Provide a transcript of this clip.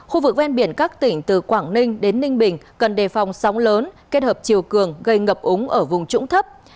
khu vực ven biển các tỉnh từ quảng ninh đến ninh bình cần đề phòng sóng lớn kết hợp chiều cường gây ngập úng ở vùng trũng thấp